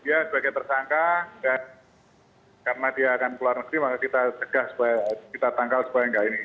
dia sebagai tersangka dan karena dia akan keluar negeri maka kita cegah supaya kita tangkal supaya enggak ini